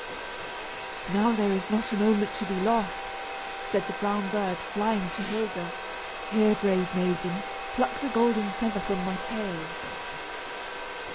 "Now there is not a moment to be lost," said the brown bird, flying to Hilda. "Here, brave maiden, pluck the golden feather from my tail."